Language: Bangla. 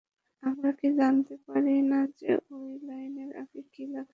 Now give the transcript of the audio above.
আমরা কি জানতে পারি না যে, ঔই লাইনের আগে কি লেখা ছিল?